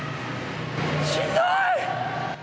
しんどーい。